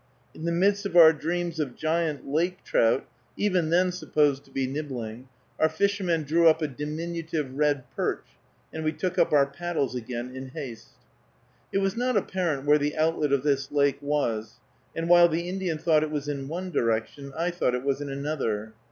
In the midst of our dreams of giant lake trout, even then supposed to be nibbling, our fishermen drew up a diminutive red perch, and we took up our paddles again in haste. It was not apparent where the outlet of this lake was, and while the Indian thought it was in one direction, I thought it was in another.